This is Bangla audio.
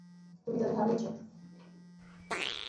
তুমি তাদের হারিয়েছো।